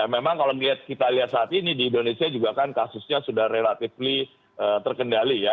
memang kalau kita lihat saat ini di indonesia juga kan kasusnya sudah relatif terkendali ya